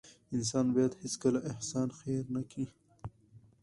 انسان بايد هيڅکله احسان هېر نه کړي .